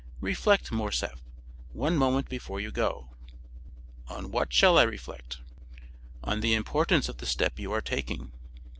"Reflect, Morcerf, one moment before you go." "On what shall I reflect?" "On the importance of the step you are taking."